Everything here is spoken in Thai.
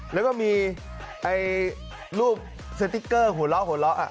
แล้วก็มีรูปสติกเกอร์หัวเราะอ่ะ